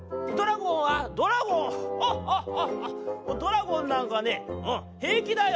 ドラゴンなんかねうんへいきだよ」。